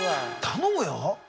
頼むよ！